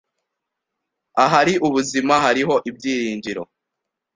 Ahari ubuzima, hariho ibyiringiro.